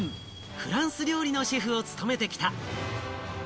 フランス料理のシェフを務めてきた。